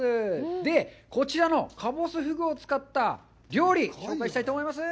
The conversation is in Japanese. で、こちらのかぼすフグを使った料理を紹介したいと思います。